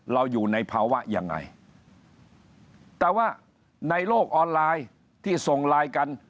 เราอยู่ในภาวะยังไงแต่ว่าในโลกออนไลน์ที่ส่งไลน์กัน